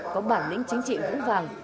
có bản lĩnh chính trị vũ vàng